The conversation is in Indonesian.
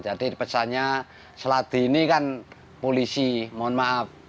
jadi pesannya sladi ini kan polisi mohon maaf